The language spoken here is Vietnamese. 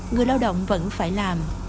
người lao động vẫn phải làm